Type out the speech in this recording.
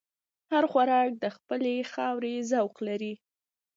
هر خوراک د خپلې خاورې ذوق لري.